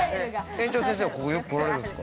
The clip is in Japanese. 園長先生はよく来られるんですか？